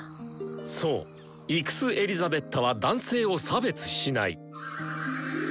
そうイクス・エリザベッタは男性を差別しない。